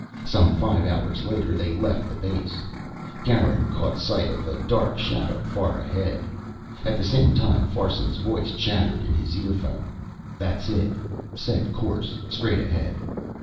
Some five hours after they left the base, Garin caught sight of a dark shadow far ahead. At the same time Farson's voice chattered in his earphones. "That's it. Set course straight ahead."